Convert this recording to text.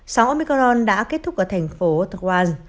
sóng omicron đã kết thúc ở thành phố tawaz